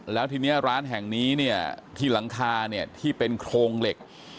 แล้วทีนี้ร้านแห่งนี้เนี่ยที่หลังคาเนี่ยที่เป็นโครงเหล็ก